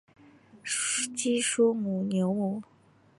基舒纽姆。